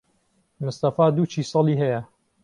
مستەفا دوو کیسەڵی ھەیە.